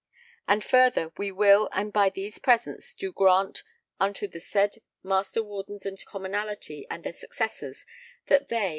And further we will and by these presents ... do grant unto the said Master Wardens and Commonalty and their successors that they